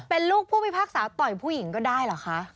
เป็นลูกผู้พิพากษาต่อยผู้หญิงก็ได้เหรอคะ